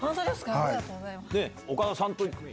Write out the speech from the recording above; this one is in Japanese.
ありがとうございます。